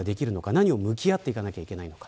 何と向き合っていかなければいけないのか。